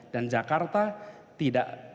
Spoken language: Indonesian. dan jakarta tidak